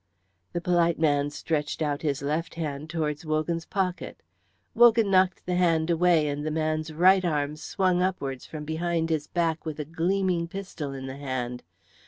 The polite man stretched out his left hand towards Wogan's pocket. Wogan knocked the hand away, and the man's right arm swung upwards from behind his back with a gleaming pistol in the hand.